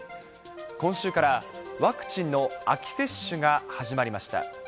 今週から、ワクチンの秋接種が始まりました。